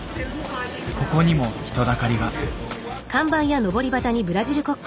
ここにも人だかりが。